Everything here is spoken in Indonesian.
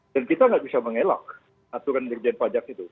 kita nggak bisa mengelak aturan dirjen pajak itu